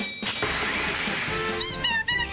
聞いておどろけ！